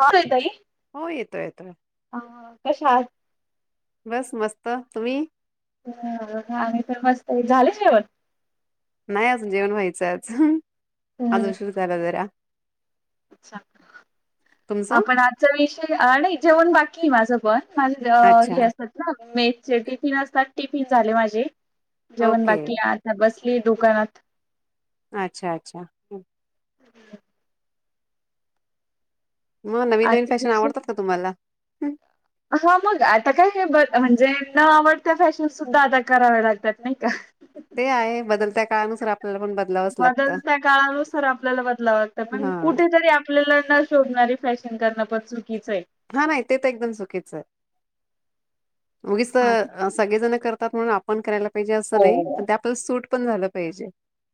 हां [unintelligible] ताई. हो येतोय येतोय. अ, कशा आहात बस मस्त. तुम्ही? हा आम्ही पण मस्तय. झाले जेवण? नाय अजून, जेवण व्हायचंय आज आज हम्म, उशीर झाला जरा. अच्छा, तुमचं? आपण आजचा विषय अ नाही जेवण बाकी माझं पण. माझे अ अच्छा हे असतात ना मेसचे टिफिन असतात टिफिन झाले माझे. जेवण ओके बाकीय, आता बसलीये दुकानात. अच्छा अच्छा. म नवीन नवीन आजच्या फॅशन दिवशी आवडतात का तुम्हाला? हा मग आता काय हे ब म्हणजे न आवडत्या फॅशन सुद्धा आता कराव्या लागतात नाही का. ते आहे, बदलत्या काळानुसार आप बदलत्या काळानुसार आपल्याला बदलाव लागतं, पण हा कुठेतरी आपल्याला न शोभणारी फॅश न करण्यापासून हा नाही, ते तर एकदम चुकीच हाय. उगीच आज अ सगळेजण करतात म्हणून आपण करायला पाहिजे असं नाही, पण ते आपल्याला सूट पण झालं पाहिजे.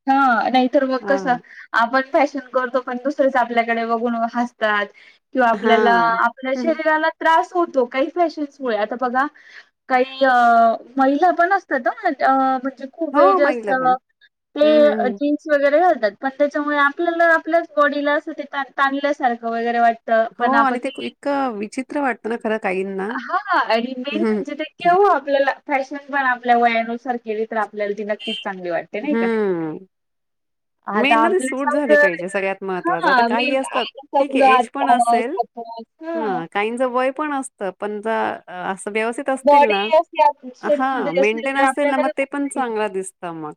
हा नाहीतर मग हा कसं, आपण फॅशन करतो पण दुसरच आप पल्याकडे बघून व हसतात किंवा हा आपल्याला आपल्या हं, हं. शरीराला त्रास होतो काही फॅशन्समुळे, आता बघा काई अ महिला पण असतात अं म जे खूप हो एज मागितलं असतं पण. ते हम्म अ हम्म जीन्स व गेरे घालतात, पण त्याच्यामुळे आपल्याला आपल्याच बॉडीला असं ते तान तानल्यासारखं वगैरे वाट त हो पण आपण आणि ते, इतकं विचित्र वाटतं ना खरं काहींना. हां आणि मेन हम्म म्हणजे ते केव हा आपल्याला फॅशन पण आपल्या वयानुसार केली तर आपल्याला ती नक्कीच चांगली वाटते, नाही का? हम्म. आता मेन ना ते सूट झाली आपले पाहिजे सगळ्यात महत्वाचं, आता हा मी काही आता असतात ठीके समजा एज पण आता असेल. सपोज हा काहींच वय पण असतं, पण जा अस व्यवस्थित असतील बॉडी ना, असे हा शेपमध्ये असेल मेंटेन तर असतील ना म आपल्याला ते पण जमते. चांगलं दिसतं मग.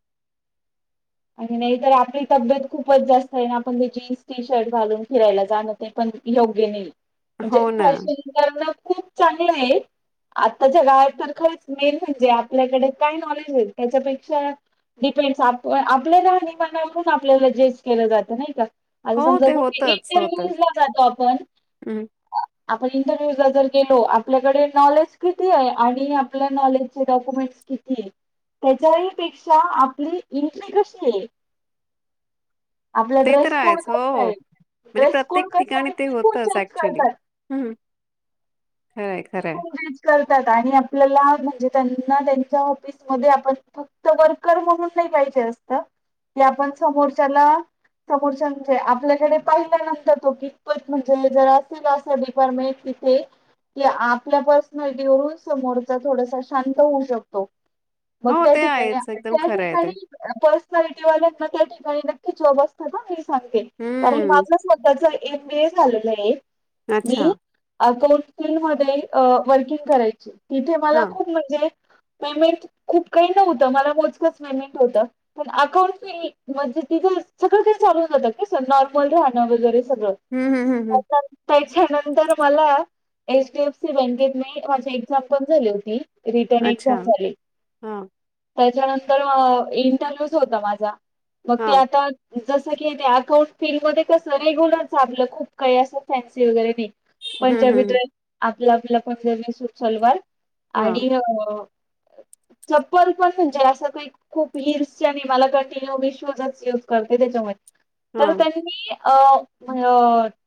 आणि नाही तर आपली तब्येत खूपच जास्तय आन आपण ते जीन्स टी शर्ट घालून फिरायला जाणं ते पण योग्य नाय, म्हणजे हो ना फॅशन करणं खूप चांगलंय. आत्ताच्या काळात तर खरंच मेन म्हणजे आपल्याकडे काय नॉलेज हाय, त्याच्यापेक्षा डिपेंड्स आप व्हय, आपल्या राहणी मानावरून आपल्याला जज केलं जातं, नाही का? आता हो समजा ते कुठे होतच होतच इंटरव्ह्यूज ला जातो आपण हम्म आपण इंटरव्ह्यूज ला जर गेलो, आपल्याकडे नॉलेज किती आहे आणि आपल्या नॉलेज चे डॉक्युमेंट कितीए? त्याच्याही पेक्षा आपली इंट्री कशीए? आपला ते तर ड्रेस कोड आहेच हो काय काय हो हाय? म्हणजे ड्रेस कोड प्रत्येक कसा ठिकाणी आहे ते कोण होतच चेक ऍक्च्युली करतात? हम्म खरंय खरंय. त्यात आणि आपल्या म्हणजे त्यांना त्यांच्या ऑफिसमध्ये आपण फक्त वर्कर म्हणून पाहिजे असतं, की आपण समोरच्याला समोरच्यांचे आपल्याकडे पाहिल्या नंतर तो कितपत म्हणजे जर असेल असं डिपार्टमेंट इथे की आपल्या पर्सनॅलिटीवरून समोरचा थोडासा शांत होऊ शकतो. मग हो ते त्याठिकाणी आहेच एकदम खरं त्याठि आहे ते कानी पर्सनालिटी वाल्यांना त्या ठिकाणी नक्कीच जॉब असता ना, हे सांगते कारण हे हम्म माझाच मतच एक वेळ झालेलं आहे अच्छा मी कान्सि म [unintelligible] वर्किंग करायची तिथे हा मला खूप म्हणजे पेमेंट खूप काही नव्हतं मला मोजकच पेमेंट होत पण अकाऊंट मध्ये तिचं सगळ चांगलं होऊन जातं नॉर्मल राहण वगैरे सगळ हम्म हम्म हम्म हम्म का त्यानंतर मला एचडीएफसी बँकेत मे माझी एक्झाम पण झाली होती रिटर्न अच्छा ऐकसात झाले हा त्याच्यानंतर तर इंटरव्ह्यूच होता माझा मग हा ते आता जसं की अकाउंट फील मध्ये कसं रेग्युलर चाललं खूप काही असं फॅन्सी वगैरे नाही हम्म हम्म पंजाबी हम्म. ड्रेस आपलं आपलं पंजाबी सूट सलवार हा आणि अ चप्पल पण म्हणजे अस खूप हिल्स आणि मला कंटिन्यू मी शूजच यूज करते त्याच्यामध्ये हा, तर त्यांनी अ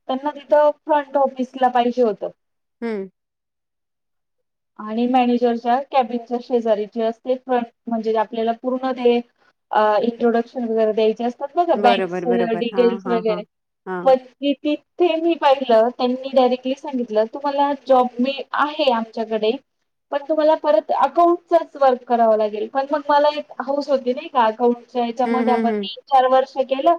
त्यांना तिथं फ्रंट ऑफिसला पाहिजे होतं हम्म आणि मॅनेजरच्या केबिनच्या शेजारीच असते फस्ट म्हणजे आपल्याला पूर्ण ते इंट्रोडक्शन वर द्यायचे अस फक्त बँक बरोबर, बरोबर. हां, डिटेल्स हां, हां, वगैरे प हां. किती ते मी पाहिलं त्यांनी डायरेक्टली सांगितलं तुम्हाला जॉब मी आहे आमच्याकडे पण तुम्हाला परत अकाउंटचाच वर्क कराव लागेल पण मग मला एक हाऊस होती नाही का हं, याच्यामध्ये हं, आपण हं. तीन चार वर्ष केलं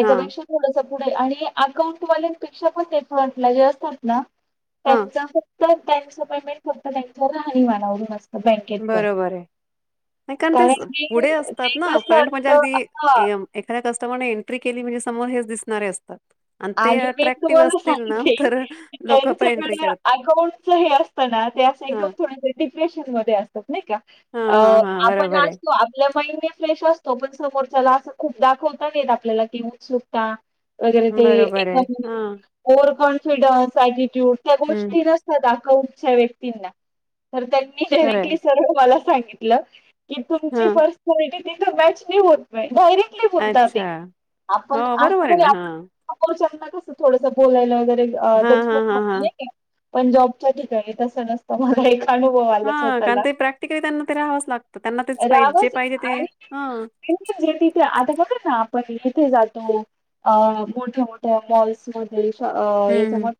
हां, थोडस पुढे आणि अकाउंट वाल्यांपेक्षा पण तेथटला जे असतात ना हां, त्यांच फक्त त्यांच पेमेंट फक्त त्यांच्या राहणी मानावरून असत बँकेत पण कोणत्या कारण की पुढे ते असतात ना कसं फ्रंट म्हणजे असतं अगदी हा एखाद्या कस्टमरने एंट्री केली म्हणजे समोर हेच दिसणारे असतात ते आणि मी अट्रॅक्टिव्ह तु असतील ना, सांगते तर लोकं पण एंट्री त्यांच्याकडे करतात. अकाउंटच हे असत ना ते अस एकदम हां, थोड डिप्रेशन मध्ये अस नाही का अ हां, हां, हां, आपण बरोबर आहे, असतो आपल्या महि ्रेश असतो पण समो अस खूप दाखवता नाही आपल्याला की उत्सुकता वगैरे ते बरोबर आहे. एखादी हां, होर पण फ्रीडम्स अटिट्यूड त्या हं, गोष्टी नसतात दाखऊच्या व्यक्तींना तर त्यांनी खरं डायरेक्टली आहे. सर मला सांगितलं की तुमची हां, फर्स्टी प्रायोरिटी त तर मॅच नाही होत नाही डायरेक्टली बोलतात ते अच्छा. आपण हो, अस बरोबर आहे तरी ना. आप हां, चना कस थोडसं बोलायला वगैरे अ हां, हां, हां, हां. डचकून पण जॉबच्या ठिकाणी तस नसतं म एक अनुभव आला हा कारण स्वतःला ते प्रॅक्टिकली त्यांना ते राहावंच लागतं त्यांना तेच पाहिज जे पाहिजे ते हा जे त आता काघ ना पण इथे जातो अ मोठ्या मोठ्या मॉल्समध्येध्ये एक हं, समज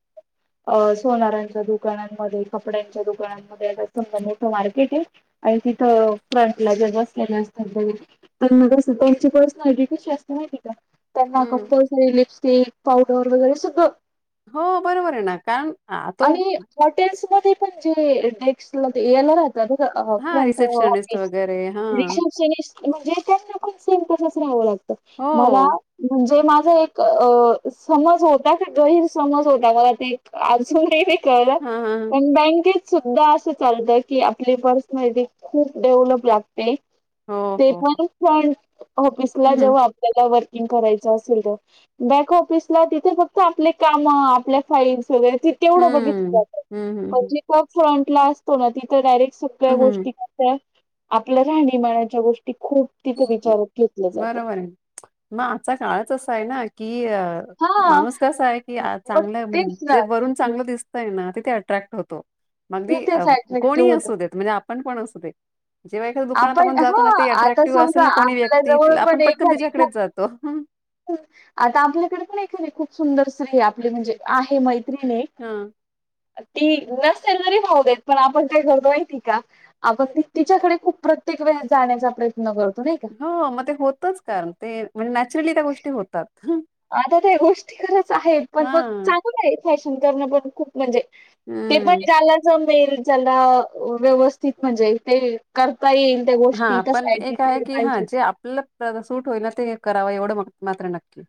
अ सोनारांच्या दुकानांमध्ये कपड्यांच्या दुकानांमध्ये आ सा मोठं मार्केट आहे आणि तिथं फ्रंटला जर बसलेलं असतात तर मगस त्यांची पर्सनल आयडिटीशी असत नाही त्यांना हं. कंपल्सरी लिपस्टिक पावडर वगैरे सुधं हो बरोबर आहे ना कारण तो ते पण जे डेक्स्स ला या राह हां, फ्रंट रिसेप्शनिस्ट वगैरे रिश हां. म्हणजे त्यांना सेम राहावं लागत हो. मला म्हणजे माझं एक अ समज होता गहीर समज होता बघ ते अजून प हां, हां, हां. बँके सुद्धा असं चालतं की आपली पर्सन खूप डेव्हलप लागते हो, ते हो, हो. पण. पण ऑफिसला हं, हं. जेव्हा आपल्याला वर्किंग करायचं असेल तर. बॅक ऑफिसला. तिथे फक्त आपले काम आपल्या फाईल्स. वगैरे तेवढं बघितलं हं, जात हं, पण हं. जी पप फ्रंटला असतो ना. ती तर डायरेक्. सगळ्या हं, हं, गोष्टी कसय आपल्या राहणीमानाच्या गोष्टी. ती खूप तिथे हं. विचारत घेतले जातात. बरोबर आहे. मग आजचा काळच असा आहे ना, की हा माणूस कसा आहे की. मग चांगलं म्हणजे तेच ना जे वरून चांगलं दिसतय ना ते. अ्रॅक्ट होतो. मग आगदी तिथेच कोणी अट्रॅक्टिव्ह होत. असूदेत. म्हणजे आपण पण असू दे. जेव्हा एखद दुकानात आपण जातो हा ना. ते आता अट्रॅक्टिव्ह असेल समजा ना कोणी आपल्या व्यक्ती जवळ पण आपण पटकन एखादी खूप तिच्याकडेच जातो. आता आपल्याकडे पण नाही खूप सुंदर स्त्री. आहे आपले म्हणजे आहे मैत मैत्रिणी. हां. ती नस जरी भाव देत. पण आपण काय करतोय माहिती ये का आपण ती तिच्याकडे खूप प्रत्येक. तिच्याकडे जाण्याचा प्रयत्न करतो. नाही का? हो मग ते होतच कारण. ते म्हणजे नॅचरली त्या गोष्टी होतात. हं, आता ते गोष्टी खरंच आहेत. पण मग हां. चांगलंच आहे फॅशन करणं पण खूप म्हणजे. ते पण हं. ज्यालाला जमेल. ज्याला व्यवस्थित म्हणजे ते कर हा पण एक आहे की. हा पाहिजेच जे आपल्याला सूट होईल ते करावं एवढं मा मात्र नक्की.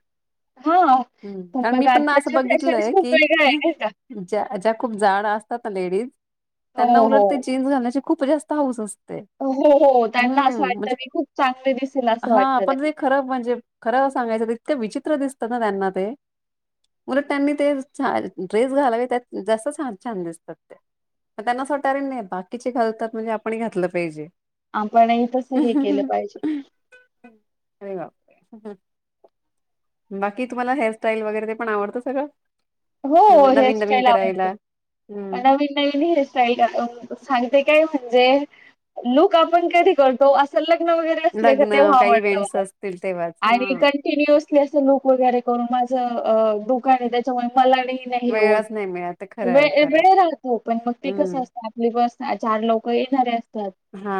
हा हं, पन कारण मी मग पण आत्ताच्या फॅशन खूप वेगळ्या आहे नाही का. ज्या-ज्या खूप जाड असतात ना लेडीज. हो त्यांना उलट हो. ते जीन्स घालण्याची खूप जास्त हाऊस असते. हो. हो त्यांना असं हम्म. वाटतं म्हणजे की खूप चांगले दिसेल असं वाटतं हा पण त्यांना तेे खरं म्हणजे खरं सांगायचं तितक विचित्र दिसत ना त्यांना ते. उलट त्यांनी ते ड्रेस घालावे त्यात जास्त छान दिसतात ते. म त्यांना [unintelligible] नाही बाकीचे घालतात म्हणजे आपण ही घातलं पाहिजे आपण ही तसं हे केलं पाहिजे. अरे बापरे! बाकी तुम्हाला हेअरस्टाईल वगैरे ते पण आवडतं सगळं? हो नवी नवीन नवीन हेअरस्टाईल आवडते, करायला हम्म. नवीन नवीन हेअरस्टाईल [unintelligible] सांगते काय म्हणजे, लूक आपण कधी करतो असं ल न वैगरे असले का लग्न तेव्हा काही आवडतं इव्हेंट्स बघा. असतील तेव्हाच आणि हा. कंटिन्युअसली असं लुक वगैरे करून माझं अ दुकान आहे त्याच्या मला नाही ना हे होतं, वेळच नाही मिळत ते खरं वे आहे खरं वेळ आहे राहतो पण मग ते कसं हम्म असतं आपली बस आ चार लोकं येणारे असतात. हा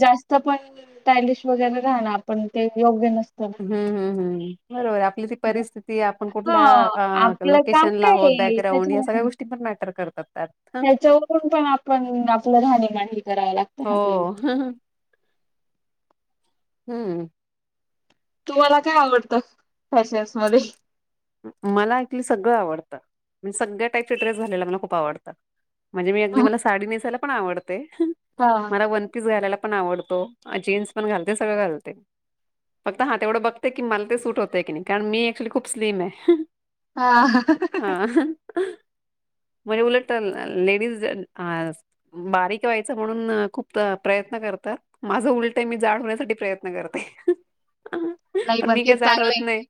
जास्त पण टायलिश वगैरे राहनार, पण ते योग्य नस हम्म हम्म हम्म, बरोबर आपली ती ना. परिस्थिती आपण कुठल्या हां, अ लोक आपलं काम केशनला काय होत आहे बॅकग्रांउड या सगळ्या त्याच्यामुळे गोष्टी पण मॅटर करतात. त्यात हं. त्याच्यावरून पण आपण आपलं राहणीमान हे कराव लागतं ना आपल्याला. हो हम्म. तुम्हाला काय आवडतं फॅशन्स मध्ये? मला आयथिंक सगळं आवडतं, म्हणजे सगळ्या टाईपचे ड्रेस घालायला मला खूप आवडतं. म्हणजे मी अगदी मला साडी नेसायला पण आवडते, हां. मला वन पीस घालायला पण आवडतो, आ जीन्स पण घालते सगळं घालते. फक्त हा तेवढं बघते की मला ते सूट होतं की नाही, कारण मी ऍक्चुअली खूप स्लीम आहे. हां. हा म्हणजे उलट लेडीज आ बारीक व्हायचं म्हणून खूप अ प्रयत्न कर आता माझं उलटंय मी जाड होण्यासाठी प्रयत्न करते. नाही पण मी ते काय जाड होत चांगलं नाही.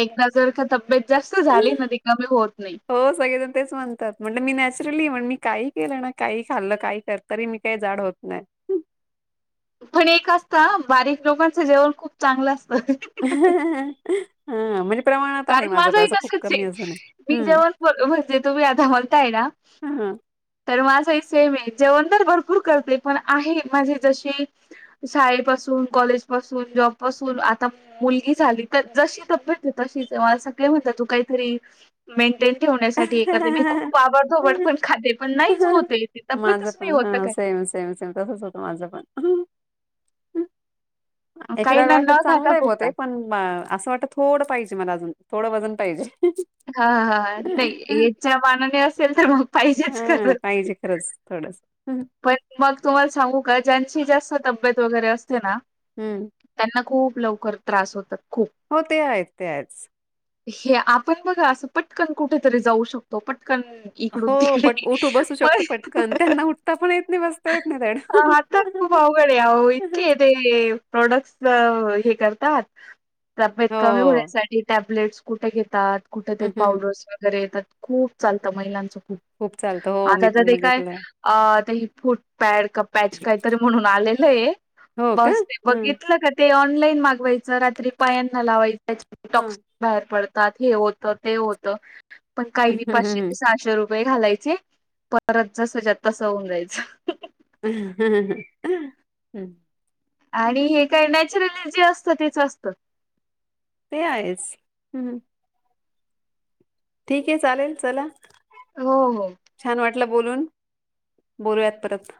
एकदा जर का तब्येत. जास्त झाली ना ती कमी होत नाही. हो सगळेजण तेच म्हणतात म्हटलं मी नॅचरली म्हण मी काही केलं. ना काही खाल्लं. काही करतरी मी काही जाड होत नाही. पण एक असत बारीक लोकांचं जेवण खूप चांगलं असत. हा म्हजे कारण माझं एक तसच आहे मी हम्म जेव्हा ब म्हणजे तुम्ही आता बोलताय ना हा. तर माझंही सेम आहे जेवण तर भरपूर करते पण आहे माझे जशी शाळेपसून कॉलेज पासून जॉब पासून आता मुलगी झाली तर जशी तांबेयत तशीच मला सगळे म्हणतात तू काहीतरी ठेवण्यासाठी एखाद मी खूप आबडधोबड पण खाते पण नाहीच होत माझं तब्येतच नाही पण होत हा काय सेम सेम सेम तसच होतं माझं पण काही एखाद्याला ना न वाटत चांगलं खाता आहे पुरता बते पण असं वाटत थोडं पाहिजे तेमलाजून थोडं वजन पाहिजे हा हा नाही याच्या मानाने असेल तर मग पाहिजेच खरं बस थोडं पण मग तुम्हाला सांगू का ज्यांची जास्त तब्येत वगैरे असते ना हम्म. त्यांना खूप लवकर त्रास होतात खूप. हो ते आहेत तेच हे आपण बघा असं पटकन कुठेतरी जाऊ शकतो पटक पण इकडून हो तिकडे पट उठू बसू शकतो पटकन पण त्यांना उठता पण येत नाही बसता येत नाही धड. ह आता खूप अवघड अ इतके ते प्रॉडक्टस तब्यत हो कमी होण्यासाठी टॅबलेट्स कुठे घेतात कुठेत हम्म हम्म पावडर्स वगैरे येतात खूप चाल महिलांच खूप चालतं हो मी आता तर पण ते काय बघितलंय. प्याड का प्याच काहीतरी म्हणून आलेल हो का बस हम्म बघितलं का ऑनलाईन मागवायच रात्री पायान लावायच त्या हा. टॉक्सिक बाहेर पडत हे होत ते होत पण काही हम्म पाचशे हम्म ते सहाशे रुपये वे घालायचे परत जसच्यात तस होऊन जायचं हम आणि हे काय नॅचरली जे असतं तेच असत ते आहेच हम् ठीक आहे चालेल चला हो हो छान बोलून बोलूयात परत